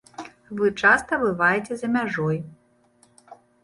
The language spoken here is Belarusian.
Вы часта бываеце за мяжой.